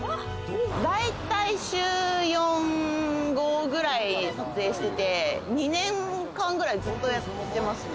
大体週４５くらい撮影してて、２年間ぐらいずっとやってますね。